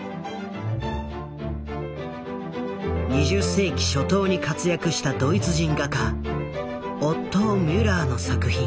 ２０世紀初頭に活躍したドイツ人画家オットー・ミュラーの作品。